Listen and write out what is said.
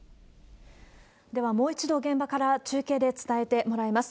ではもう一度、現場から中継で伝えてもらいます。